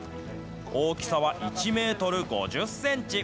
大きさは１メートル５０センチ。